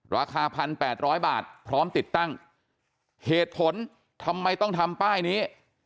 ราคาพันแปดร้อยบาทพร้อมติดตั้งเหตุผลทำไมต้องทำป้ายนี้